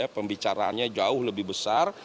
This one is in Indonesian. pembicaraannya jauh lebih besar